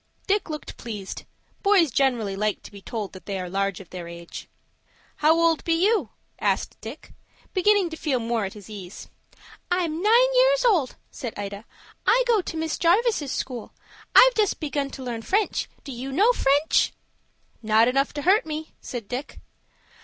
Dick looked pleased. Boys generally like to be told that they are large of their age. "How old be you?" asked Dick, beginning to feel more at his ease. "I'm nine years old," said Ida. "I go to Miss Jarvis's school. I've just begun to learn French. Do you know French?" "Not enough to hurt me," said Dick.